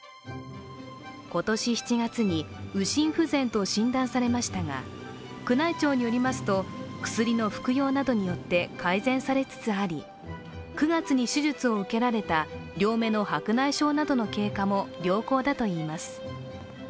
今年７月に右心不全と診断されましたが、宮内庁によりますと薬の服用などによって改善されつつあり９月に手術を受けられた両目の白内障などの経過も良好だといいます。